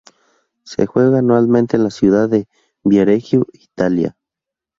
Se juega anualmente en la ciudad de Viareggio, Italia.